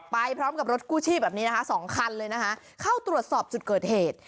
ไปพร้อมกับรถกู้ชีพแบบนี้นะคะสองคันเลยนะคะเข้าตรวจสอบจุดเกิดเหตุ